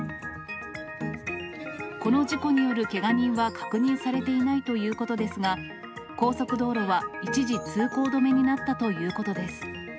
この事故によるけが人は確認されていないということですが、高速道路は一時、通行止めになったということです。